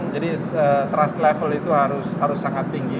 jadi trust level itu harus sangat tinggi